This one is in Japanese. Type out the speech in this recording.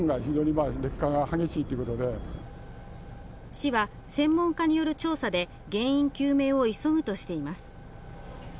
市は専門家による調査で、原因究明を急ぐとしています。